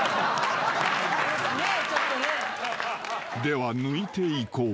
［では抜いていこう］